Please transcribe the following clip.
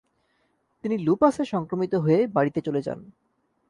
তিনি লুপাসে সংক্রমিত হয়ে বাড়িতে চলে যান।